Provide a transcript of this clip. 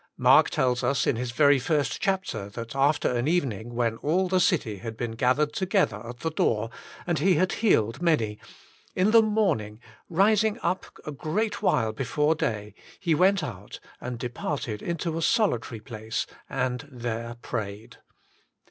Mark tells us in his very first chapter, that after an evening when all the city had been gathered together at the door, and He had healed many, " in the morning rising up a great while before day. He went out, and de parted into a solitary place and there prayed."